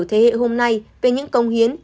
thế hệ hôm nay về những công hiến